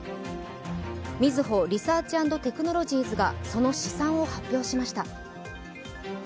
みずほリサーチ＆テクノロジーズがその試算を発表しました。